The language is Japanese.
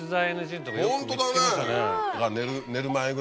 ホントだね！